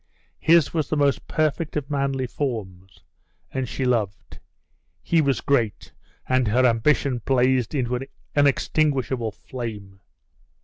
His was the most perfect of manly forms and she loved; he was great and her ambition blazed into an unextinguishable flame.